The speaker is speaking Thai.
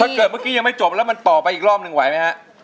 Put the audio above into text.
เกิดเมื่อกี้ยังไม่จบแล้วมันต่อไปอีกรอบหนึ่งไหวไหมฮะ